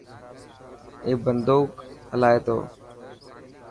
اي بندوڪ هلائي ٿو.